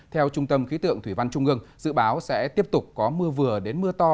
theo trung tâm khí tượng thủy văn trung ương dự báo sẽ tiếp tục có mưa vừa đến mưa to